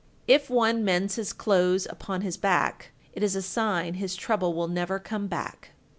If one mends his clothes upon his back, It is a sign his trouble will never come back.